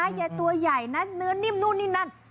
ยายตัวใหญ่นะเนื้อนิ่มนู่นนี่นั่น